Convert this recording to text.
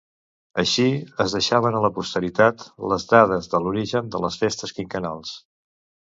Així, es deixaven a la posteritat les dades de l'origen de les Festes Quinquennals.